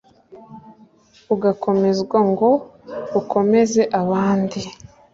ugakomezwa ngo ukomeze abandi